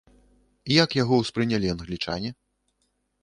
Як яго ўспрынялі англічане?